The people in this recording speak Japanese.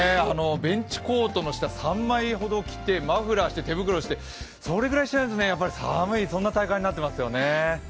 ベンチコートの下、３枚ほど着てマフラーして手袋して、それぐらいしないとやっぱり寒い、そんな体感になっていますよね。